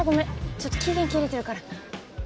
ちょっと期限切れてるから。